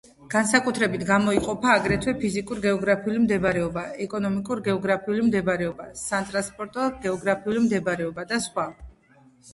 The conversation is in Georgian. განსაკუთრებით გამოიყოფა აგრეთვე ფიზიკურ-გეოგრაფიული მდებარეობა, ეკონომიკურ-გეოგრაფიული მდებარეობა, სატრანსპორტო-გეოგრაფიული მდებარეობა და სხვა.